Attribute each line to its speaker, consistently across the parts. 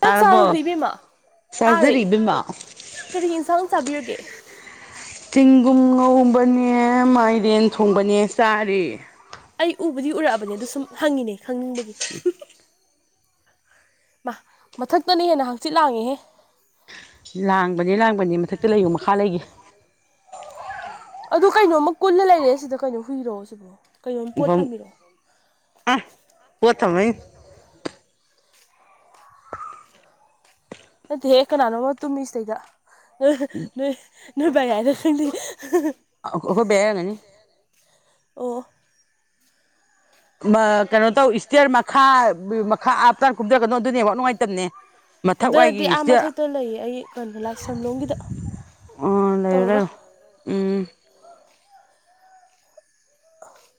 Speaker 1: ꯆꯥꯛ
Speaker 2: ꯇꯔꯕꯣ
Speaker 1: ꯆꯥꯔꯨꯕ ꯏꯕꯦꯝꯃ ꯇꯥꯔꯦ ꯀꯔꯤ ꯌꯦꯟꯁꯥꯡ ꯆꯥꯕꯤꯔꯒꯦ
Speaker 2: ꯆꯤꯡꯒꯨꯝ ꯉꯕꯅꯦ ꯃꯥꯏꯔꯦꯟ ꯊꯣꯡꯕꯅꯦ ꯆꯥꯔꯤ
Speaker 1: ꯑꯩ ꯎꯕꯨꯗꯤ ꯎꯔꯛꯑꯕꯅꯦ ꯑꯗꯣ ꯁꯨꯝ ꯍꯪꯉꯤꯅꯦ ꯈꯪꯅꯤꯡꯕꯒꯤ ꯃꯥ ꯃꯊꯛꯇꯅ ꯍꯦꯟꯅ ꯍꯪꯆꯤꯠ ꯂꯥꯡꯉꯦꯍꯦ
Speaker 2: ꯂꯥꯡꯕꯅꯦ ꯂꯥꯡꯕꯅꯦ ꯃꯊꯛꯇ ꯂꯩꯌꯨ ꯃꯈꯥ ꯂꯩꯒꯦ
Speaker 1: ꯑꯗꯨ ꯀꯩꯅꯣꯝꯃ ꯀꯨꯜꯂ ꯂꯩꯔꯦ ꯁꯤꯗ ꯀꯩꯅꯣ ꯍꯨꯏꯔꯛꯑꯣ ꯁꯤꯕꯣ ꯀꯩꯅꯣꯝ ꯄꯣꯠ
Speaker 2: ꯎꯕꯝ
Speaker 1: ꯊꯝꯕꯤꯔꯛꯑꯣ
Speaker 2: ꯑ ꯄꯣꯠ ꯊꯝꯕꯩꯅꯤ
Speaker 1: ꯅꯗꯤꯍꯦ ꯀꯅꯥꯅꯣꯃ ꯇꯨꯝꯃꯤ ꯁꯤꯗꯩꯗ ꯅꯣꯏ ꯅꯣꯏ ꯕꯒꯥꯏꯗ ꯈꯪꯗꯦ [inaudible]
Speaker 2: ꯑꯣ ꯕꯒꯒꯅꯤ
Speaker 1: ꯑꯣ
Speaker 2: ꯀꯩꯅꯣ ꯇꯧ ꯏꯁꯇꯔ ꯃꯈꯥ ꯃꯈꯥ ꯍꯥꯥꯞꯇꯥ ꯀꯨꯝꯊꯒꯅꯣ ꯑꯗꯨꯅꯦꯕ ꯅꯨꯡꯉꯥꯏꯇꯕꯅꯦ ꯃꯊꯛ
Speaker 1: ꯀꯨꯝꯊꯔꯗꯤ
Speaker 2: ꯋꯥꯏꯒꯤ
Speaker 1: ꯑꯥ
Speaker 2: ꯏꯁꯇꯤꯌꯔ
Speaker 1: ꯃꯊꯛꯇ ꯂꯩꯌꯦ ꯑꯩ ꯀꯩꯅꯣ ꯂꯥꯏ ꯁꯝꯂꯣꯝꯒꯤꯗ
Speaker 2: ꯑꯣ ꯂꯩꯔ ꯎꯝ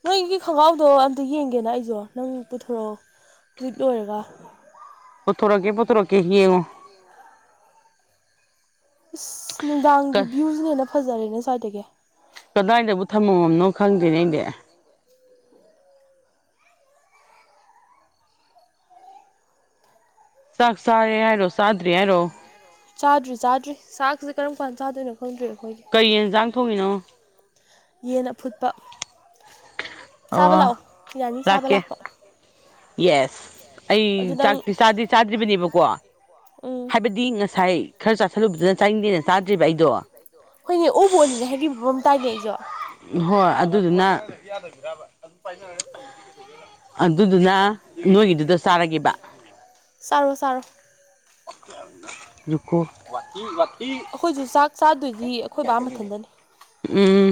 Speaker 1: ꯅꯣꯏꯒꯤ ꯈꯣꯡꯒ꯭ꯔꯥꯎꯗꯣ ꯑꯝꯇ ꯌꯦꯡꯒꯦꯅ ꯑꯩꯁꯨꯣ ꯅꯪ ꯄꯨꯊꯣꯔꯛꯑꯣ ꯍꯧꯖꯤ ꯂꯣꯏꯔꯔꯕ
Speaker 2: ꯄꯨꯊꯣꯔꯛꯀꯦ ꯄꯨꯊꯔꯀꯦ ꯍꯉ
Speaker 1: ꯏꯁꯁ ꯅꯨꯡꯗꯥꯡꯒꯤ ꯚ꯭ꯌꯨꯁꯤꯅ ꯍꯦꯟꯅ ꯐꯖꯔꯦꯅꯦ ꯁ꯭ꯋꯥꯏꯗꯒꯤ
Speaker 2: ꯀꯗꯥꯏꯗꯕꯨ ꯊꯝꯃꯝꯃꯝꯅꯣ ꯈꯪꯗꯦꯅꯦ ꯑꯩꯗꯤ ꯁꯥꯛ ꯁꯥꯔꯦ ꯍꯥꯏꯔꯣ ꯁꯥꯗ꯭ꯔꯤ ꯍꯥꯏꯔꯣ
Speaker 1: ꯆꯥꯗꯔꯤ ꯆꯥꯗ꯭ꯔꯤ ꯆꯥꯛꯁꯤꯦ ꯀꯔꯝ ꯀꯥꯟꯗ ꯆꯥꯗꯣꯏꯅꯣ ꯈꯪꯗ꯭ꯔꯤ ꯑꯩꯈꯣꯏꯒꯤ
Speaker 2: ꯀꯩ ꯌꯦꯟꯖꯥꯡ ꯊꯣꯡꯉꯤꯅꯣ
Speaker 1: ꯌꯦꯟꯅ ꯐꯨꯠꯄ ꯆꯥꯕ
Speaker 2: ꯑꯣ
Speaker 1: ꯂꯥꯛꯑꯣ ꯌꯥꯅꯤ ꯆꯥꯕ
Speaker 2: ꯂꯥꯛꯀꯦ
Speaker 1: ꯂꯥꯛꯄ
Speaker 2: ꯌꯦꯁ ꯑꯩ
Speaker 1: ꯑꯗꯨ ꯅꯪ
Speaker 2: ꯆꯥꯛ ꯆꯥꯗꯦ ꯆꯥꯗ꯭ꯔꯤꯕꯅꯦꯕꯀꯣ
Speaker 1: ꯎꯝ
Speaker 2: ꯍꯥꯏꯕꯗꯤ ꯉꯁꯥꯏ ꯉꯁꯥꯏ ꯈꯔ ꯆꯥꯥꯁꯜꯂꯨꯕꯗꯨꯅ ꯆꯥꯅꯤꯡꯗꯦꯅ ꯆꯥꯗ꯭ꯔꯤꯕꯕ ꯑꯩꯗꯣ
Speaker 1: ꯍꯣꯏꯅꯦ ꯎꯕꯣꯠꯅꯤꯅꯦ ꯍꯥꯏꯈꯤꯕ ꯃꯝ ꯇꯥꯏꯅꯦ ꯑꯩꯁꯨ
Speaker 2: ꯍꯣꯏ ꯑꯗꯨꯗꯨꯅ ꯑꯗꯨꯗꯨꯅ ꯅꯣꯏꯒꯤꯗꯨꯗ ꯆꯥꯔꯦꯕ
Speaker 1: ꯁꯔꯣ ꯁꯔꯣ
Speaker 2: ꯔꯨꯀꯣ
Speaker 1: ꯑꯩꯈꯣꯏꯁꯨ ꯆꯥꯛ ꯆꯥꯗꯣꯏꯗꯤ ꯑꯩꯈꯣꯏ ꯕꯥ ꯃꯊꯟꯗꯅꯤ
Speaker 2: ꯎꯝ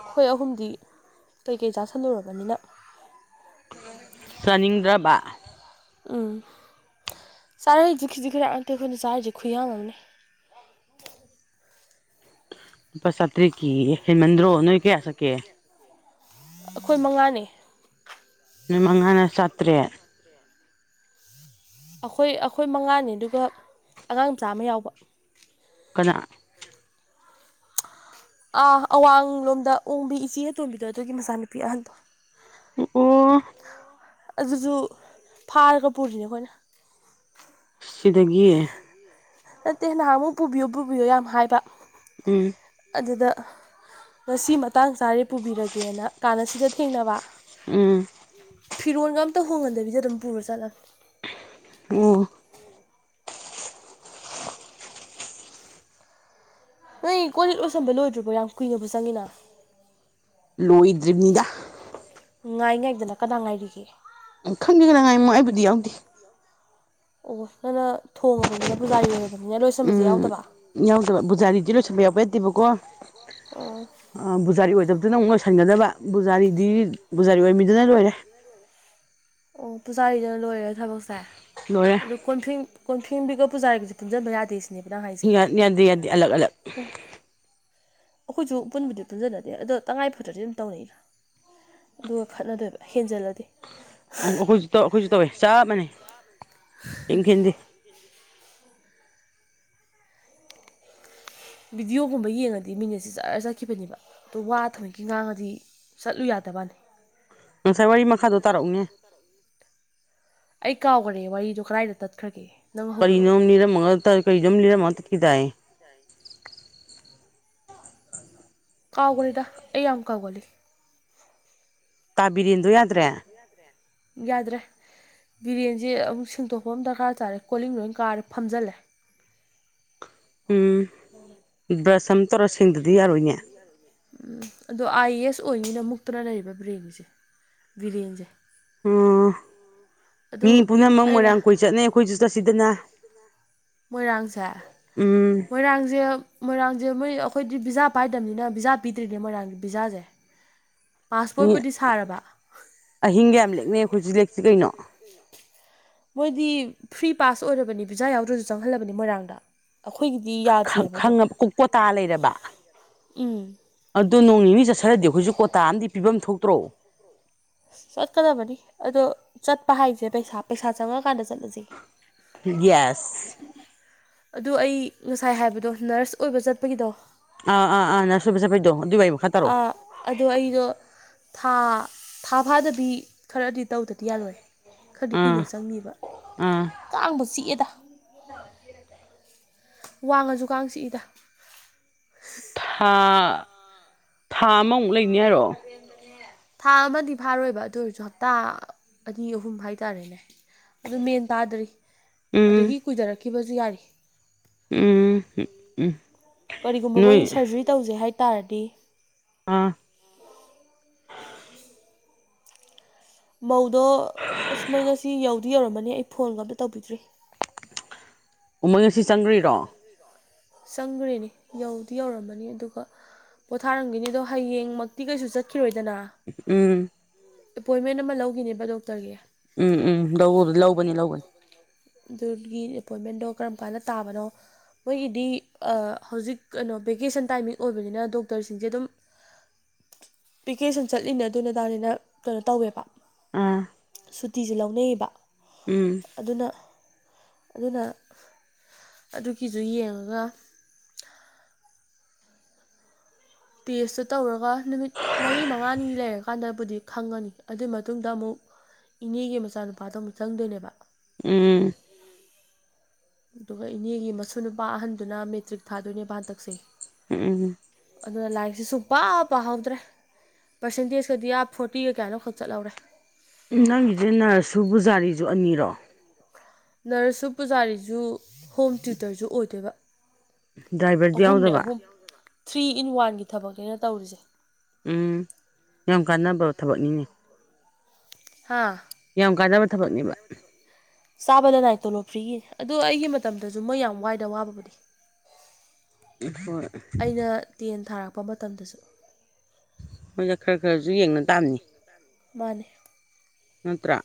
Speaker 1: ꯑꯩꯈꯣꯏ ꯑꯍꯨꯝꯗꯤ ꯀꯩꯀꯩ ꯆꯥꯁꯜꯂꯨꯔꯕꯅꯤꯅ
Speaker 2: ꯆꯅꯤꯡ ꯗꯕ
Speaker 1: ꯎꯝ ꯆꯥꯔꯁꯤ ꯈꯤꯖꯤꯛ ꯈꯔ ꯉꯥꯛꯇꯦ ꯑꯩꯈꯣꯏꯅ ꯆꯥꯔꯤꯁꯦ ꯈꯨꯌꯥꯃꯝꯅꯦ ꯎꯝ
Speaker 2: ꯄꯥ ꯁꯥꯇꯔꯤ ꯀ ꯍꯦꯃꯗ꯭ꯔꯣ ꯅ ꯀꯌꯥ ꯁꯀꯦ
Speaker 1: ꯑꯩꯈꯣꯏ ꯃꯉꯥꯅꯤ
Speaker 2: ꯅꯣꯏ ꯃꯉꯥꯅ ꯆꯥꯇ꯭ꯔꯦꯠ
Speaker 1: ꯑꯩꯈꯣꯏ ꯑꯩꯈꯣꯏ ꯃꯉꯥꯅꯤ ꯑꯗꯨꯒ ꯑꯉꯥꯡꯆꯥꯥꯃ ꯌꯥꯎꯕ
Speaker 2: ꯀꯗꯥ
Speaker 1: ꯑꯥ ꯑꯋꯥꯡꯂꯣꯝꯗ ꯑꯣꯡꯕꯤ ꯏꯆꯦ ꯑꯇꯣꯝꯕꯤꯗꯣ ꯑꯗꯨꯒꯤ ꯃꯆꯥꯅꯨꯄꯤ ꯑꯍꯟꯗꯣ
Speaker 2: ꯑꯣ
Speaker 1: ꯑꯗꯨꯁꯨ ꯐꯥꯔꯒ ꯄꯨꯔꯤꯅꯦ ꯑꯩꯈꯣꯏꯅ
Speaker 2: ꯁꯤꯗꯒ
Speaker 1: ꯅꯠꯇꯦ ꯅꯍꯥꯟ ꯑꯃꯨꯛ ꯄꯨꯕꯤꯌꯨ ꯄꯨꯕꯤꯌꯣ ꯌꯥꯝ ꯍꯥꯏꯕ
Speaker 2: ꯎꯝ
Speaker 1: ꯑꯗꯨꯗ ꯉꯁꯤ ꯃꯇꯥꯡ ꯆꯥꯔꯦ ꯄꯨꯕꯤꯔꯒꯦꯅ ꯀꯥꯟꯅ ꯁꯤꯗ ꯊꯦꯡꯅꯕ
Speaker 2: ꯎꯝ
Speaker 1: ꯐꯤꯔꯣꯟꯒ ꯑꯝꯇ ꯍꯣꯡꯍꯟꯗꯕꯤꯗ ꯑꯗꯨꯝ ꯄꯨꯔ ꯆꯠꯂꯒꯦ
Speaker 2: ꯑꯣ
Speaker 1: ꯅꯣꯏ ꯀꯣ ꯂꯤꯠ ꯂꯣꯏꯁꯟꯕ ꯂꯣꯏꯗ꯭ꯔꯤꯕꯣ ꯌꯥꯝ ꯀꯨꯏꯅꯕꯨ ꯆꯪꯉꯤꯅ
Speaker 2: ꯂꯣꯏꯗ꯭ꯔꯤꯕꯔꯤꯕꯅꯤꯗ
Speaker 1: ꯉꯥꯏ ꯉꯥꯏꯗꯅ ꯀꯗꯥꯏ ꯉꯥꯏꯔꯤꯒꯦ
Speaker 2: ꯎꯝ ꯈꯪꯒꯦ ꯈꯅꯉꯥꯏꯃꯣ ꯑꯩꯕꯨꯗꯤ ꯌꯥꯎꯗꯦ
Speaker 1: ꯑꯣ ꯅꯪꯅ ꯊꯣꯡꯉꯕꯅꯤꯅ ꯄꯨꯖꯥ ꯌꯣꯏꯔꯕꯅꯤꯅ ꯂꯣꯏꯁꯟꯕꯁꯦ
Speaker 2: ꯎꯝ
Speaker 1: ꯌꯥꯎꯗꯕ
Speaker 2: ꯌꯥꯎꯗꯕ ꯕꯨꯖꯥꯔꯤꯗꯤ ꯂꯣꯏꯁꯟꯕ ꯌꯥꯎꯕ ꯌꯥꯗꯦꯕꯀꯣ ꯑ
Speaker 1: ꯑꯣ
Speaker 2: ꯕꯨꯖꯥꯔꯤ ꯑꯣꯏꯗꯕ ꯐꯅ ꯑꯃꯨꯛ ꯂꯣꯏꯁꯤꯟꯒꯗꯕ ꯕꯨꯖꯥꯔꯤꯗꯤ ꯕꯨꯖꯥꯔꯤ ꯑꯣꯏꯃꯤꯗꯨꯅ ꯂꯣꯏꯔꯦ
Speaker 1: ꯑꯣ ꯄꯨꯖꯥꯔꯤꯗꯅ ꯂꯣꯏꯔꯦ ꯊꯕꯛꯁꯦ
Speaker 2: ꯂꯣꯏꯔꯦ
Speaker 1: ꯑꯗꯨ ꯄꯤꯡꯕꯤꯒ ꯄꯨꯖꯥꯒꯤꯁꯨꯟꯕ ꯌꯥꯗꯦ ꯁꯤꯅꯦꯕ ꯅꯪ ꯍꯥꯏꯁꯦ
Speaker 2: ꯌꯥ ꯌꯥꯗ ꯌꯥꯗꯤ ꯑꯂꯛ ꯑꯂꯒ
Speaker 1: ꯑꯩꯈꯣꯏꯁꯨ ꯄꯨꯟꯕꯗꯤ ꯄꯨꯟꯁꯤꯟꯅꯗꯦ ꯑꯗꯣ ꯇꯉꯥꯏꯐꯗ꯭ꯔꯗꯤ ꯑꯗꯨꯝ ꯇꯧꯅꯩꯔꯥ ꯑꯗꯨꯒ ꯈꯠꯅꯗꯣꯏꯕ ꯍꯦꯟꯖꯜꯂꯗꯤ
Speaker 2: ꯎ ꯑꯩꯈꯣꯏꯁꯨ ꯇꯧ ꯑꯩꯈꯣꯏꯁꯨ ꯇꯧꯋꯦ ꯆꯞ ꯃꯥꯟꯅꯦꯩ ꯏꯦꯡꯈꯤꯤꯟꯗꯤ
Speaker 1: ꯚꯤꯗꯤꯑꯣꯒꯨꯝꯕ ꯌꯦꯡꯉꯗꯤ ꯃꯤꯅꯦꯠꯁꯤ ꯆꯠꯔ ꯆꯠꯈꯤꯕꯅꯦꯕ ꯑꯗꯣ ꯋꯥ ꯊꯕꯛꯀꯤ ꯉꯥꯡꯉꯗꯤ ꯆꯠꯂꯨ ꯌꯥꯗꯕꯅꯤ
Speaker 2: ꯉꯁꯥꯏ ꯋꯥꯔꯤ ꯃꯈꯥꯗꯣ ꯇꯥꯔꯛꯎꯅꯦ
Speaker 1: ꯑꯩ ꯀꯥꯎꯈꯔꯦ ꯋꯥꯔꯤꯗꯣ ꯀꯗꯥꯏꯗ ꯇꯠꯈ꯭ꯔꯒꯦ ꯅꯪ ꯍꯧꯗꯣꯔꯛꯎ
Speaker 2: ꯀꯔꯤꯅꯣꯝ ꯔꯝꯒ ꯀꯔꯤꯅꯣꯝ ꯔꯝꯃꯈꯤ ꯇꯑ
Speaker 1: ꯀꯥꯎꯒꯂꯤꯗ ꯑꯩ ꯌꯥꯝ ꯌꯥꯝ ꯀꯥꯎꯒꯂꯤ
Speaker 2: ꯇꯥꯕꯤꯔꯤꯦꯟꯗꯣ ꯌꯥꯗ꯭ꯔꯦ
Speaker 1: ꯌꯥꯗ꯭ꯔꯦ ꯕꯤꯔꯌꯥꯟꯁꯦ ꯑꯃꯨꯛ ꯁꯦꯡꯗꯣꯛꯄ ꯑꯃ ꯗꯔꯀꯥꯔ ꯇꯥꯔꯦ ꯀꯣꯂꯤꯡ ꯂꯣꯏ ꯀꯥꯔꯦ ꯐꯝꯖꯤꯜꯂꯦ [unintelligible]
Speaker 2: ꯎꯝ ꯁ
Speaker 1: ꯎꯝ ꯑꯗꯣ ꯑꯥꯏ ꯑꯦꯁ ꯁꯛ ꯑꯣꯏꯅꯤꯅ ꯃꯨꯛꯇꯨꯅ ꯂꯩꯔꯤꯕ ꯕꯔꯦꯟꯅꯤꯁꯦ ꯕꯤꯔꯦꯟꯁꯦ
Speaker 2: ꯑꯣ
Speaker 1: ꯑꯗꯨ
Speaker 2: ꯃꯤ ꯄꯨꯝꯅꯃꯛ
Speaker 1: ꯑꯩꯅ
Speaker 2: ꯃꯣꯏꯔꯥꯡ ꯀꯣꯏ ꯆꯠꯅꯩ ꯑꯩꯈꯣꯏꯁꯨ ꯆꯠꯁꯤꯗꯅ
Speaker 1: ꯃꯣꯏꯔꯥꯡꯁꯦ
Speaker 2: ꯎꯝ
Speaker 1: ꯃꯣꯏꯔꯥꯡꯁꯦ ꯃꯣꯏꯔꯥꯡ ꯑ ꯃꯣꯏ ꯑꯩꯈꯣꯏꯗꯤ ꯄꯤꯖꯥ ꯄꯥꯏꯗꯕꯅꯤꯅ ꯤꯖꯥ ꯄꯤꯗ꯭ꯔꯤꯅꯦꯦ ꯃꯣꯏꯔꯥꯡꯒꯤ ꯄꯤꯖꯥꯁꯦ
Speaker 2: ꯃꯤ ꯑꯍꯤꯡꯒ ꯌꯥꯝ ꯂꯦꯛꯅꯩ ꯍꯧꯖꯤ ꯂꯦꯛꯁꯤ ꯀꯩꯅꯣ
Speaker 1: ꯃꯣꯏꯗꯤ ꯐ꯭ꯔꯤ ꯄꯥꯁ ꯑꯣꯏꯔꯕꯅꯤ ꯚꯤꯖꯥ ꯌꯥꯎꯗ꯭ꯔꯁꯨ ꯆꯪꯍꯜꯂꯕꯅꯤ ꯃꯣꯏꯔꯥꯡꯗꯣꯏ
Speaker 2: ꯀꯣꯇꯥ ꯂꯩꯔꯕ
Speaker 1: ꯎꯝ
Speaker 2: ꯑꯗꯨꯣ ꯅꯣꯡ ꯅꯤꯅꯤ ꯆꯠꯊꯔꯗꯤ ꯑꯩꯈꯣꯏꯁꯨ ꯀꯣꯇꯥ ꯑ ꯄꯤꯐꯝ ꯊꯣꯛꯇ꯭ꯔꯣ
Speaker 1: ꯆꯠꯀꯗꯕꯅꯤ ꯑꯗꯣ ꯆꯠꯄ ꯍꯥꯏꯁꯦ ꯄꯩꯁꯥ ꯄꯩꯁꯥ ꯆꯪꯉꯀꯥꯟꯗ ꯆꯠꯂꯁꯤ
Speaker 2: ꯌꯦꯁ
Speaker 1: ꯑꯗꯨ ꯑꯩ ꯉꯁꯥꯏ ꯍꯥꯏꯕꯗꯣ ꯅꯔꯁ ꯑꯣꯏꯕ ꯆꯠꯄꯒꯤꯗꯣ
Speaker 2: ꯑꯥ ꯑꯥ ꯑꯥ ꯅꯅꯥꯁꯨꯕꯤ ꯆꯥ ꯐꯩꯗꯣ
Speaker 1: ꯑꯥ ꯑꯗꯣ ꯑꯩꯗꯣ ꯊꯥ ꯊꯥ ꯐꯥꯗꯕꯤ ꯈꯔꯗꯤ ꯇꯧꯗꯗꯤ ꯌꯥꯔꯣꯏ ꯈꯔꯗꯤ ꯀꯨꯏꯅ
Speaker 2: ꯑꯥ
Speaker 1: ꯆꯪꯉꯕ
Speaker 2: ꯑꯥ
Speaker 1: ꯀꯥꯡꯕ ꯆꯤꯛꯑꯦꯗ ꯋꯥꯡꯉꯁꯨ ꯀꯥꯡ ꯆꯤꯛꯏꯗ
Speaker 2: ꯊꯥ ꯊꯥ ꯑꯃꯃꯨꯛ ꯂꯩꯅꯤ ꯍꯥꯏꯔꯣ
Speaker 1: ꯊꯥ ꯑꯃꯗꯤ ꯐꯥꯔꯣꯏꯕ ꯑꯗꯨ ꯑꯣꯏꯔꯁꯨ ꯍꯞꯇꯥ ꯑꯅꯤ ꯑꯍꯨꯝ ꯍꯥꯏꯇꯥꯔꯦꯅꯦ ꯑꯗꯨ ꯃꯦꯟ ꯇꯥꯗ꯭ꯔꯤ ꯑꯗꯒꯤ ꯀꯨꯏꯊꯔꯛꯈꯤꯕꯁꯨ ꯌꯥꯔꯤ
Speaker 2: ꯎꯝ ꯎꯝ ꯎꯝ
Speaker 1: ꯀꯔꯤꯒꯨꯝꯕ
Speaker 2: ꯅꯣꯏ
Speaker 1: ꯃꯣꯏ ꯁꯔꯖꯔꯤ ꯇꯧꯖꯩ ꯍꯥꯏ ꯇꯥꯔꯗꯤ
Speaker 2: ꯑꯥ
Speaker 1: ꯃꯧꯗꯣ ꯑꯃꯩ ꯉꯁꯤ ꯌꯧ ꯑꯗꯨ ꯌꯧꯔꯝꯃꯅꯤ ꯑꯩ ꯐꯣꯟꯒ ꯑꯝꯇ ꯇꯧꯕꯤꯗ꯭ꯔꯤ
Speaker 2: ꯑꯣ ꯃꯣꯏ ꯉꯁꯤ ꯆꯪꯗ꯭ꯔꯤꯔꯣ
Speaker 1: ꯆꯪꯈ꯭ꯔꯦꯅꯦ ꯌꯧꯗꯤ ꯌꯧꯔꯝꯃꯅꯤ ꯑꯗꯨꯒ ꯄꯣꯊꯥꯔꯝꯒꯅꯤ ꯑꯗꯣ ꯍꯌꯦꯡꯃꯛꯇꯤ ꯀꯩꯁꯨ ꯆꯠꯈꯤ
Speaker 2: ꯎꯝ
Speaker 1: ꯑꯦꯄꯣꯏꯟꯃꯦꯟ ꯑꯃ ꯂꯧꯈꯤꯅꯦꯕ ꯗꯣꯛꯇꯔꯒꯤ
Speaker 2: ꯎꯝ ꯎꯝ ꯂꯧ ꯂꯧꯕꯅꯤ ꯂꯧꯕꯅꯤ
Speaker 1: ꯑꯗꯨꯒꯤ ꯑꯦꯄꯣꯏꯟꯃꯦꯟꯗꯣ ꯀꯔꯝ ꯀꯥꯟꯗ ꯇꯥꯕꯅꯣ ꯃꯣꯏꯒꯤꯗꯤ ꯍꯧꯖꯤꯛ ꯀꯩꯅꯣ ꯚꯦꯀꯦꯁꯟ ꯇꯥꯏꯃꯤꯡ ꯑꯣꯏꯕꯅꯤꯅ ꯗꯣꯛꯇꯔꯁꯤꯡꯁꯦ ꯑꯗꯨꯝ ꯚꯤꯦꯀꯦꯁꯟ ꯆꯠꯂꯤꯅꯦ ꯑꯗꯨ ꯅꯗꯥꯅꯤꯅ ꯀꯩꯅꯣ ꯇꯧꯋꯦꯕ
Speaker 2: ꯑꯥ
Speaker 1: ꯁꯨꯇꯤꯁꯦ ꯂꯧꯅꯩꯌꯦꯕ
Speaker 2: ꯎꯝ
Speaker 1: ꯑꯗꯨꯅ ꯑꯗꯨꯅ ꯑꯗꯨꯒꯤꯁꯨ ꯌꯦꯡꯉꯒ ꯇꯦꯁꯇꯨ ꯇꯧꯔꯒ ꯅꯨꯃꯤꯠ ꯃꯔꯤ ꯃꯉꯥꯅꯤ ꯂꯩꯔꯀꯥꯟꯗꯕꯨꯗꯤ ꯈꯪꯉꯅꯤ ꯑꯗꯨꯒꯤ ꯃꯇꯨꯡꯗ ꯑꯃꯨꯛ ꯏꯅꯦꯒꯤ ꯃꯆꯥꯅꯨꯄꯥꯗꯣ ꯑꯃꯨꯛ ꯆꯪꯗꯣꯏꯅꯦꯕ
Speaker 2: ꯎꯝ
Speaker 1: ꯑꯗꯨꯒ ꯏꯅꯦꯒꯤ ꯃꯁꯨ ꯅꯨꯄꯥ ꯑꯍꯟꯗꯨꯅ ꯃꯦꯇ꯭ꯔꯤꯛ ꯊꯥꯗꯣꯏꯅꯦꯕ ꯍꯟꯇꯛꯁꯦ
Speaker 2: ꯎꯝ
Speaker 1: ꯑꯗꯨꯅ ꯂꯥꯏꯔꯤꯛꯁꯤ ꯁꯨꯡ ꯄꯥ ꯄꯥꯍꯧꯗ꯭ꯔꯦ ꯄꯔꯁꯦꯟꯇꯦꯖꯀꯗꯤ ꯑꯞ ꯐꯣꯔꯇꯤꯒ ꯀꯌꯥꯅꯣꯈꯛ ꯆꯠꯍꯧꯔꯦ
Speaker 2: ꯎ ꯅꯪꯒꯤꯁꯦ ꯅꯔꯁꯨ ꯄꯨꯕꯨꯖꯥꯔꯤꯁꯨ ꯑꯅꯤꯔꯣ
Speaker 1: ꯅꯔꯁꯁꯨ ꯄꯨꯖꯥꯔꯤꯁꯨ ꯍꯣꯝ ꯇ꯭ꯌꯨꯇꯔꯁꯨ ꯑꯣꯏꯗꯣꯏꯕ
Speaker 2: ꯗ꯭ꯔꯥꯏꯚꯔꯗꯤ
Speaker 1: ꯑꯍꯨꯝꯅꯦ
Speaker 2: ꯌꯥꯎꯗꯕ
Speaker 1: ꯑꯍꯨꯝ ꯊ꯭ꯔꯤ ꯏꯟ ꯋꯥꯟꯒꯤ ꯊꯕꯛꯅꯦꯩꯅ ꯇꯧꯔꯤꯁꯦ
Speaker 2: ꯎꯝ ꯌꯥꯝ ꯀꯥꯟꯅꯕ ꯊꯕꯛꯅꯤꯅꯦ
Speaker 1: ꯍꯥꯥ
Speaker 2: ꯌꯥꯝ ꯀꯥꯟꯖꯅꯕ ꯊꯕꯛꯅꯦꯕ
Speaker 1: ꯆꯥꯕꯗ ꯅꯥꯏ ꯇꯣꯂꯣꯞ ꯐ꯭ꯔꯤꯒꯤꯅꯤ ꯑꯗꯨꯗꯣ ꯑꯩꯒꯤ ꯃꯇꯝꯗꯁꯨ ꯃꯣꯏ ꯌꯥꯝ ꯋꯥꯏꯗ ꯋꯥꯕꯕꯨꯗꯤ
Speaker 2: ꯍꯣꯏ
Speaker 1: ꯑꯩꯅ ꯇꯦꯟ ꯊꯥꯔꯛꯄ ꯃꯇꯝꯗꯁꯨ
Speaker 2: ꯃꯣꯏꯁ ꯈꯔ ꯈꯔꯁꯨ ꯌꯦꯡꯅ ꯇꯥꯕꯅꯤ
Speaker 1: ꯃꯥꯅꯦ
Speaker 2: ꯅꯠꯇ꯭ꯔ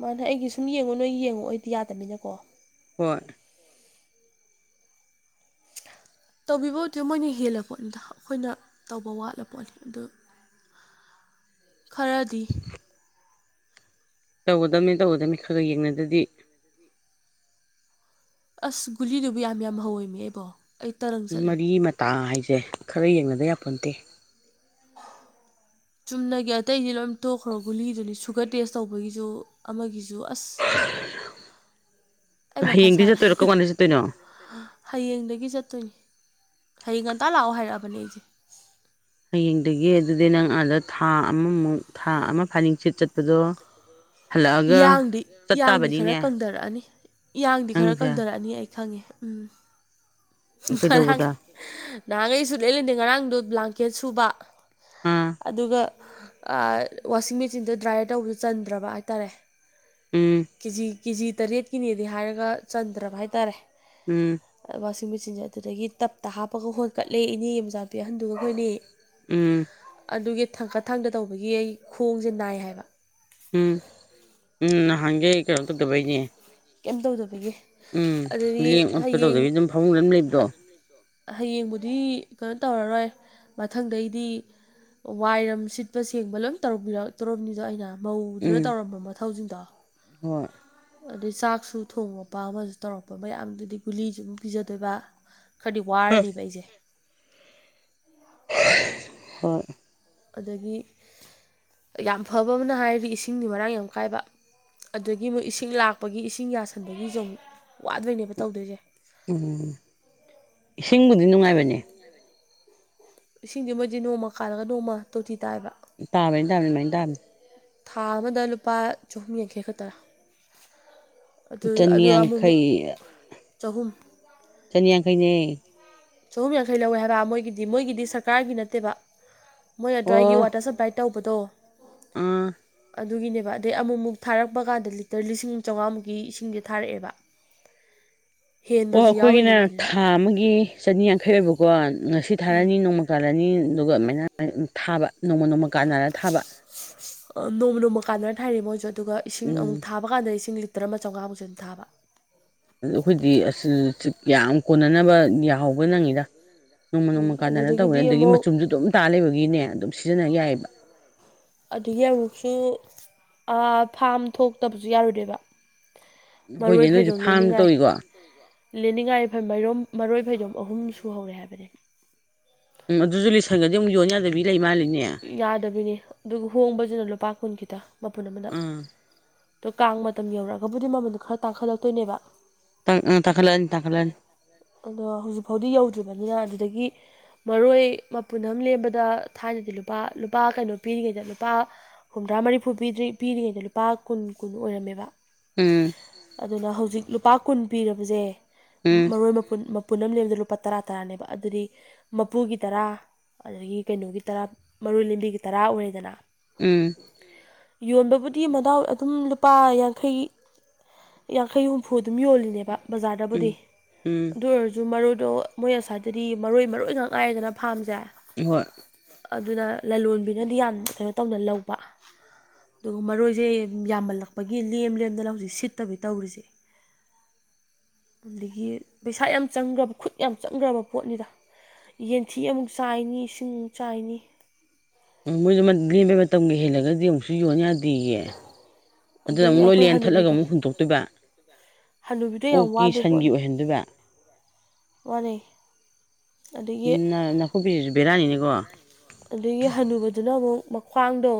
Speaker 1: ꯃꯥꯅꯦ ꯑꯩꯒꯤ ꯁꯨꯝ ꯌꯦꯡꯉꯨ ꯅꯣꯏ ꯌꯦꯡꯉꯛꯑꯣꯗꯤ ꯌꯥꯗꯕꯅꯤꯅꯀꯣ
Speaker 2: ꯍꯣꯏ
Speaker 1: ꯇꯧꯕꯤꯕꯕꯨꯗꯤ ꯃꯣꯏꯅ ꯍꯦꯜꯂ ꯄꯣꯠꯅꯤꯗ ꯑꯩꯈꯣꯏꯅ ꯇꯧꯕ ꯋꯥꯠꯂ ꯄꯣꯠꯅꯤ ꯑꯗꯨ ꯈꯔꯗꯤ
Speaker 2: ꯇꯧꯒꯗꯝꯕꯅꯤ ꯇꯧꯒꯗꯝꯕꯅꯤ ꯈꯔ ꯈꯔ ꯌꯦꯡꯅꯗꯗꯤ
Speaker 1: ꯑꯁ ꯒꯨꯂꯤꯗꯨꯕꯨ ꯌꯥꯝ ꯌꯥꯝ ꯍꯧꯋꯏꯃꯦ ꯏꯕꯣ
Speaker 2: ꯃꯔꯤ ꯃꯇꯥ ꯍꯥꯏꯁꯦ ꯈꯔ ꯌꯦꯡꯅꯗ ꯌꯥꯄ ꯅꯠꯇꯦ
Speaker 1: [inaudible] ꯆꯨꯝꯅꯒꯤ ꯑꯇꯩꯗꯤ ꯂꯣꯏ ꯇꯣꯛꯈ꯭ꯔꯣ ꯒꯨꯂꯤꯗꯨꯅꯤ ꯁꯨꯒꯔ ꯇꯦꯁ ꯇꯧꯕꯒꯤꯁꯨ ꯑꯃꯒꯤꯁꯨ ꯑꯁ [inaudible] ꯑꯩ ꯃꯊꯥ
Speaker 2: ꯍꯌꯦꯡꯗꯤ
Speaker 1: ꯁꯥꯔꯦ
Speaker 2: ꯆꯠꯇꯣꯏꯔꯣ ꯀꯔꯝꯀꯥꯟꯗ ꯆꯠꯇꯣꯏꯅꯣ
Speaker 1: ꯍꯌꯦꯡꯗꯒꯤ ꯆꯠꯇꯣꯏꯅꯤ ꯍꯌꯦꯡ ꯉꯟꯇꯥ ꯂꯥꯛꯑꯣ ꯍꯥꯏꯔꯛꯑꯕꯅꯦ ꯑꯩꯁꯦ
Speaker 2: ꯍꯌꯦꯡꯗꯒꯤ ꯑꯗꯨꯗꯤ ꯅꯪ ꯑꯥꯗ ꯊꯥ ꯑꯃꯃꯨꯛ ꯊꯥ ꯑꯃ ꯐꯥꯅꯤꯡꯁꯤꯠ ꯆꯠꯄꯗꯣ ꯍꯜꯂꯛꯑꯒ
Speaker 1: ꯌꯥꯡꯗꯤ
Speaker 2: ꯆꯠ
Speaker 1: ꯌꯥꯡꯗꯤ ꯈꯔ
Speaker 2: ꯇꯥꯕꯅꯤꯅꯦ
Speaker 1: ꯀꯪꯊꯔꯛꯑꯅꯤ ꯏꯌꯥꯡꯗꯤ ꯈꯔ
Speaker 2: ꯅꯪꯁꯦ
Speaker 1: ꯀꯪꯊꯔꯛꯑꯅꯤ ꯑꯩ ꯈꯪꯉꯦ ꯎꯝ ꯉꯔꯥꯡ
Speaker 2: ꯀꯩꯗꯧꯕꯗ
Speaker 1: ꯅꯍꯥꯟꯈꯩꯁꯨ ꯂꯩ ꯂꯩꯗꯦ ꯉꯔꯥꯡꯗꯣ ꯕ꯭ꯂꯥꯡꯀꯦꯠ ꯁꯨꯕ
Speaker 2: ꯑꯥ
Speaker 1: ꯑꯗꯨꯒ ꯋꯥꯁꯤꯡ ꯃꯦꯆꯤꯟꯗꯣ ꯗ꯭ꯔꯥꯏꯌꯔ ꯇꯧꯕꯁꯨ ꯆꯟꯗ꯭ꯔꯕ ꯍꯥꯏꯇꯥꯔꯦ
Speaker 2: ꯎꯝ
Speaker 1: ꯀꯦꯖꯤ ꯀꯦꯖꯤ ꯇꯔꯦꯠꯀꯤꯅꯦꯗꯤ ꯍꯥꯏꯔꯒ ꯆꯟꯗ꯭ꯔꯕ ꯍꯥꯏꯇꯥꯔꯦ
Speaker 2: ꯎꯝ
Speaker 1: ꯁꯤ ꯃꯦꯆꯤꯟꯁꯦ ꯑꯗꯨꯗꯒꯤ ꯇꯞꯇ ꯍꯥꯞꯄꯒ ꯍꯣꯟꯠꯀꯠꯂꯦ ꯏꯅꯦ ꯃꯆꯥꯥꯡ ꯍꯟꯗꯨ ꯑꯩꯈꯣꯏꯅꯤ
Speaker 2: ꯎꯝ
Speaker 1: ꯑꯗꯨꯒꯤ ꯑꯩ ꯊꯥꯡꯀꯠ ꯊꯥꯡꯗ ꯇꯧꯕꯒꯤ ꯑꯩ ꯈꯣꯡꯁꯦ ꯅꯥꯏ ꯍꯥꯏꯕ
Speaker 2: ꯎꯝ ꯎꯝ ꯍꯪꯦ ꯀꯩꯅꯣ ꯇꯗꯕꯩꯅꯦꯦ
Speaker 1: ꯀꯩꯝ ꯇꯧꯗꯕꯒꯤꯦ ꯑꯗꯨꯗꯤ
Speaker 2: ꯂꯦꯡ ꯑꯣꯠꯄ
Speaker 1: ꯍꯌꯦꯡ
Speaker 2: ꯇꯧꯗꯕꯤ ꯑꯗꯨꯝ ꯐꯃꯨꯡꯗ ꯑꯗꯨꯝ ꯂꯩꯕꯗꯣ
Speaker 1: ꯍꯌꯦꯡꯕꯨꯗꯤ ꯀꯩꯅꯣ ꯇꯧꯔꯔꯣꯏ ꯃꯊꯪꯗꯩꯗꯤ ꯋꯥꯏꯔꯝ ꯁꯤꯠꯄ ꯁꯦꯡꯕ ꯂꯣꯏ ꯇꯧꯔ ꯇꯧꯔꯝꯅꯤꯗꯣ ꯑꯩꯅ ꯃꯧꯗꯨꯅ
Speaker 2: ꯎꯝ
Speaker 1: ꯇꯧꯔꯝꯕ ꯃꯊꯧꯁꯤꯡꯗꯣ
Speaker 2: ꯍꯣꯏ
Speaker 1: ꯑꯗꯩ ꯆꯥꯛꯁꯨ ꯊꯣꯡꯉꯛꯄ ꯑꯃꯁꯨ ꯇꯧꯔꯛꯄ ꯃꯌꯥꯝꯗꯨꯗꯤ ꯒꯨꯂꯤꯁꯨ ꯑꯗꯨꯝ ꯄꯤꯖꯗꯣꯏꯕ ꯈꯔꯗꯤ ꯋꯥꯔꯅꯦꯕ ꯑꯩꯁꯦ
Speaker 2: ꯍꯣꯏ
Speaker 1: ꯑꯗꯒꯤ ꯌꯥꯝ ꯐꯕ ꯑꯃꯅ ꯍꯥꯏꯔꯤ ꯏꯁꯤꯡꯗꯤ ꯃꯔꯥꯡ ꯌꯥꯝ ꯀꯥꯏꯕ ꯑꯗꯨꯗꯒꯤ ꯃꯣꯏ ꯏꯁꯤꯡ ꯏꯁꯤꯡ ꯂꯥꯛꯄꯒꯤ ꯏꯁꯤꯡ ꯌꯥꯁꯟꯕꯒꯤꯁꯨ ꯋꯥꯗꯣꯏꯅꯦꯕ ꯇꯧꯗꯣꯏꯁꯦ
Speaker 2: ꯎꯝ ꯏꯁꯤꯡꯕꯨꯗꯤ ꯅꯨꯡꯉꯥꯏꯕꯅꯦ
Speaker 1: ꯏꯁꯤꯡꯗꯤ ꯃꯣꯏꯗꯤ ꯅꯣꯡꯃ ꯀꯥꯜꯂꯒ ꯅꯣꯡꯃ ꯇꯧꯊꯤ ꯇꯥꯏꯕ
Speaker 2: ꯇꯥꯕꯅꯤ ꯇꯕꯅꯤ ꯃꯥꯏꯅ ꯇꯥꯅꯤ
Speaker 1: ꯊꯥ ꯑꯃꯗ ꯂꯨꯄꯥ ꯆꯍꯨꯝ ꯌꯥꯡꯈꯩ ꯈꯛꯇ ꯑ ꯑꯃꯨꯛꯃꯨꯛ
Speaker 2: ꯆꯅꯤꯌꯥꯡꯈꯩ
Speaker 1: ꯆꯍꯨꯝ
Speaker 2: ꯁꯅꯤ ꯌꯥꯈꯩꯅꯦ
Speaker 1: ꯆꯍꯨꯝ ꯌꯥꯡꯈꯩ ꯂꯧꯋꯦ ꯍꯥꯏꯕ ꯃꯣꯏꯒꯤꯗꯤ ꯃꯣꯏꯒꯤꯗꯤ ꯁꯔꯀꯥꯔꯒꯤ ꯅꯠꯇꯦꯕ ꯃꯣꯏ ꯑꯗꯨꯋꯥꯏꯒꯤ ꯋꯥꯇꯔ ꯁꯄ꯭ꯂꯥꯏ ꯇꯧꯕꯗꯣ
Speaker 2: ꯑꯝ
Speaker 1: ꯑꯗꯨꯒꯤꯅꯦꯕ ꯑꯗꯩ ꯑꯃꯨꯛꯃꯨꯛ ꯊꯥꯔꯛꯄ ꯀꯥꯟꯗ ꯂꯤꯇꯔ ꯂꯤꯁꯤꯡ ꯆꯥꯝꯃꯉꯥꯃꯨꯛꯀꯤ ꯏꯁꯤꯡꯁꯦ ꯊꯥꯔꯛꯑꯦꯕ [inaudible]
Speaker 2: ꯑꯣ
Speaker 1: ꯍꯦꯟꯕꯁꯨ
Speaker 2: ꯑꯩꯈꯣꯏꯒꯤꯅ
Speaker 1: ꯌꯥꯎꯔꯤꯅꯦ ꯑꯗꯨꯗ
Speaker 2: ꯊꯥ ꯑꯃꯒꯤ ꯆꯅꯤꯌꯥꯡꯈꯩ ꯑꯣꯏꯕꯀꯣ ꯉꯥꯁꯤ ꯊꯥꯔꯅꯤ
Speaker 1: ꯎꯝ
Speaker 2: ꯅꯣꯡꯃ ꯀꯥꯜꯂꯅꯤ ꯑꯗꯨꯒ ꯑꯗꯨꯃꯥꯏꯅ ꯊꯥꯕ ꯅꯣꯡꯃ ꯅꯣꯡꯃ ꯀꯥꯟꯅꯔ ꯊꯥꯕ
Speaker 1: ꯅꯣꯡꯃ ꯅꯣꯡꯃ ꯀꯥꯟꯅꯅ ꯊꯥꯏꯅ ꯃꯣꯏꯁꯨ ꯑꯗꯨꯒ ꯏꯁꯤꯡ
Speaker 2: ꯎꯝ
Speaker 1: ꯑꯃꯨꯛ ꯊꯥꯕ ꯀꯥꯟꯗ ꯏꯁꯤꯡꯁꯤ ꯇꯔꯃ ꯆꯥꯝꯉꯥꯃꯨꯛ ꯑꯗꯨ ꯊꯥꯕ
Speaker 2: ꯑꯗꯨ ꯑꯩꯈꯣꯏꯗꯤ ꯌꯥꯝ ꯀꯣꯟꯅꯅꯕ ꯌꯥꯍꯧꯕ ꯅꯪꯉꯤꯗ ꯅꯣꯡꯃ
Speaker 1: ꯎꯝ
Speaker 2: ꯅꯣꯡꯃ ꯀꯥꯟꯗꯅ ꯇꯧꯅꯤ
Speaker 1: ꯑꯗꯨꯗꯒꯤꯗꯤ
Speaker 2: ꯑꯗꯨꯗꯒꯤ
Speaker 1: ꯑꯃꯨꯛ
Speaker 2: ꯃꯆꯨꯝꯁꯨ ꯑꯗꯨꯝ ꯇꯥ ꯂꯩꯕꯒꯤꯅꯦ ꯑꯗꯨꯝ ꯁꯤꯖꯤꯟꯅꯕ ꯌꯥꯏꯑꯕ
Speaker 1: ꯑꯗꯨꯗꯒꯤ ꯑꯃꯨꯛꯁꯨ ꯐꯥꯝ ꯊꯣꯛꯇꯕꯁꯨ ꯌꯥꯔꯣꯏꯗꯣꯏꯦꯕ ꯃꯔꯣꯏ
Speaker 2: ꯍꯣꯏꯅꯦ ꯅꯣꯏꯁꯨ
Speaker 1: ꯐꯩꯗꯣꯝ
Speaker 2: ꯐꯥꯝ
Speaker 1: ꯂꯅꯤꯡꯉꯥꯏ
Speaker 2: ꯇꯧꯏꯀꯣ
Speaker 1: ꯂꯦꯅꯤꯡꯉꯥꯏꯔꯣ ꯃꯔꯣꯏ ꯐꯩꯔꯣꯝ ꯑꯍꯨꯝ ꯁꯨꯍꯔꯦ ꯍꯥꯏꯕꯅꯤ
Speaker 2: ꯎꯝ ꯑꯗꯨꯁꯨ ꯂꯤꯁꯪꯒꯗꯤꯨꯛ ꯌꯣꯟ ꯌꯥꯗꯕꯤ ꯂꯩ ꯃꯥꯜꯂꯤꯅꯦ
Speaker 1: ꯌꯥꯗꯕꯤꯅꯤ ꯑꯗꯨꯒ ꯍꯣꯡꯕꯁꯤꯅ ꯂꯨꯄꯥ ꯀꯨꯟ ꯈꯤꯇ ꯃꯄꯨꯟ ꯑꯃꯗ
Speaker 2: ꯑꯥ
Speaker 1: ꯑꯗꯣ ꯀꯥꯡ ꯃꯇꯝ ꯌꯧꯔꯛꯑꯒꯕꯨꯗꯤ ꯃꯃꯟꯗꯨꯣ ꯈꯔ ꯇꯥꯡꯈꯠꯂꯛꯇꯣꯏꯅꯦꯕ
Speaker 2: ꯇꯥꯡꯈꯠꯂꯛꯑꯅꯤ ꯇꯥꯡꯈꯠꯂꯛꯑꯅꯤ
Speaker 1: ꯑꯗꯣ ꯍꯧꯖꯤꯛ ꯐꯥꯎꯗꯤ ꯌꯧꯗ꯭ꯔꯤꯕꯅꯤꯅ ꯑꯗꯨꯗꯒꯤ ꯃꯔꯣꯏ ꯃꯄꯨꯟ ꯑꯃ ꯂꯦꯝꯕꯗ ꯊꯥꯏꯅꯗꯤ ꯂꯨꯄꯥ ꯂꯨꯄꯥ ꯀꯩꯅꯣ ꯄꯤꯔꯤꯉꯩꯗ ꯂꯨꯄꯥ ꯍꯨꯝꯗ꯭ꯔꯥ ꯃꯔꯤꯐꯨ ꯄꯤꯗ꯭ꯔꯤ ꯄꯤꯔꯤꯉꯩꯗ ꯂꯨꯄꯥ ꯀꯨꯟ ꯀꯀꯨꯟ ꯑꯣꯏꯔꯝꯃꯦꯕ
Speaker 2: ꯎꯝ
Speaker 1: ꯑꯗꯨꯅ ꯍꯧꯖꯤꯛ ꯂꯨꯄꯥ ꯀꯨꯟ ꯄꯤꯔꯕꯁꯦ
Speaker 2: ꯎꯝ
Speaker 1: ꯃꯔꯣꯏ ꯃꯄꯨꯟ ꯄꯨꯅꯝ ꯂꯗ ꯂꯨꯄꯥ ꯇꯔꯥ ꯇꯔꯥꯅꯦꯕ ꯑꯗꯨꯗꯤ ꯃꯄꯨꯒꯤ ꯇꯔꯥ ꯑꯗꯒꯤ ꯀꯩꯅꯣꯒꯤ ꯇꯔꯥ ꯃꯔꯣꯏ ꯂꯝꯕꯤꯒꯤ ꯇꯔꯥ ꯑꯣꯏꯔꯦꯗꯅ
Speaker 2: ꯎꯝ
Speaker 1: ꯌꯣꯟꯕꯕꯨꯗꯤ ꯃꯅꯥꯎ ꯑꯗꯨꯝ ꯂꯨꯄꯥ ꯌꯥꯡꯈꯩ ꯌꯥꯡꯈꯩ ꯍꯨꯝꯐꯨ ꯑꯗꯨꯝ ꯌꯣꯜꯂꯤꯅꯦꯕ
Speaker 2: ꯎꯝ
Speaker 1: ꯕꯖꯥꯔꯗꯕꯨꯗꯤ
Speaker 2: ꯎꯝ
Speaker 1: ꯑꯗꯨ ꯑꯣꯏꯔꯁꯨ ꯃꯔꯣꯏ ꯑꯗꯣ ꯃꯣꯏ ꯑꯁꯋꯥꯏꯗꯗꯤ ꯃꯔꯣꯏ ꯃꯔꯣꯏ ꯉꯥꯛ ꯉꯥꯏꯗꯅ ꯐꯥꯔꯝꯁꯦ
Speaker 2: ꯍꯣꯏ
Speaker 1: ꯑꯗꯨꯅ ꯂꯂꯣꯟꯕꯤꯅꯗꯤ ꯌꯥꯝ ꯀꯩꯅꯣ ꯇꯧꯅ ꯂꯧꯕ ꯑꯗꯨꯒ ꯃꯔꯣꯏꯁꯦ ꯌꯥꯝꯃꯜꯂꯛꯄꯒꯤ ꯂꯦꯝ ꯂꯦꯝꯗꯅ ꯍꯧꯖꯤꯛ ꯁꯤꯠꯇꯕꯤ ꯇꯧꯔꯤꯁꯦ ꯑꯗꯒꯤ ꯄꯩꯁꯥ ꯌꯥꯝ ꯆꯪꯈ꯭ꯔꯕ ꯈꯨꯠ ꯌꯥꯝ ꯆꯪꯈ꯭ꯔꯕ ꯄꯣꯠꯅꯤꯗ ꯌꯦꯟꯊꯤ ꯑꯃꯨꯛ ꯆꯥꯏꯅꯤ ꯏꯁꯤꯡ ꯑꯃꯨꯛ ꯆꯥꯏꯅꯤ
Speaker 2: ꯎꯝ ꯃꯣꯏꯁꯨ ꯂꯦꯝꯕꯩ ꯃꯇꯝꯒꯤ ꯍꯦꯜꯂꯒꯗꯤ ꯑꯃꯨꯛꯁꯨ ꯌꯣꯟ ꯌꯥꯗꯦ ꯑꯗꯨꯗꯤꯒꯤ ꯑꯗꯨꯗ
Speaker 1: ꯑꯗꯒꯤ
Speaker 2: ꯑꯃꯨꯛ
Speaker 1: ꯑꯩꯈꯣꯏ
Speaker 2: ꯂꯣꯏꯂꯦꯟꯅ ꯊꯠꯂꯒ
Speaker 1: ꯍꯅꯨꯕꯤꯗꯣ
Speaker 2: ꯑꯃꯨꯛ ꯍꯨꯟꯗꯣꯛꯇꯣꯏꯕ
Speaker 1: ꯍꯅꯨꯕꯤꯗꯣ
Speaker 2: ꯑꯣꯣꯛꯀꯤ ꯁꯟꯒꯤ ꯑꯣꯏꯍꯟꯗꯣꯏꯕ
Speaker 1: ꯃꯅꯤ
Speaker 2: ꯎ ꯅꯅꯥ ꯀꯣꯄꯤꯁꯨꯕꯔꯥꯅꯤꯅꯦꯀꯣ
Speaker 1: ꯑꯗꯒꯤ ꯍꯟꯅꯨꯕꯗꯨꯅ ꯑꯃꯨꯛ ꯃꯈ꯭ꯋꯥꯡꯗꯣ